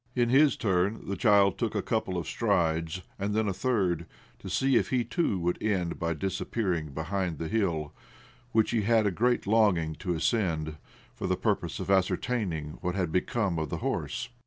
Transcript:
In his turn the child took a couple of strides, and then a third, to see if he too would end by disappearing behind the hill, which he had a great longing to ascend^ for the pur pose of ascertaining what had become of the horse.